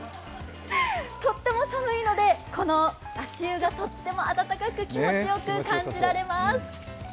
とっても寒いので、この足湯がとっても温かく気持ちよく感じられます。